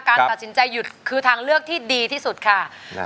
การตัดสินใจหยุดคือทางเลือกที่ดีที่สุดค่ะ